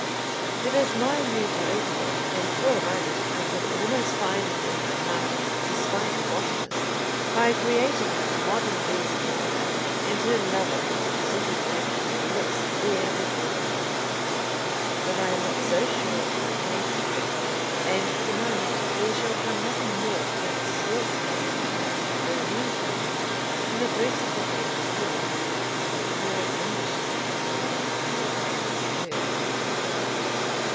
It is my Utopia, and for a moment I could almost find it in my heart to spite the botanist by creating a modern Desdemona and her lover sooty black to the lips, there before our eyes. But I am not so sure of my case as that, and for the moment there shall come nothing more than a swart faced, dusky Burmese woman in the dress of the Greater Rule, with her tall Englishman (as he might be on earth) at her side.